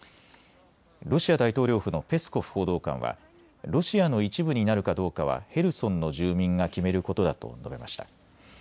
ロシア大統領府のペスコフ報道官はロシアの一部になるかどうかはヘルソンの住民が決めることだと述べました。